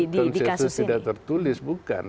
nah itu bukan konsensus tidak tertulis bukan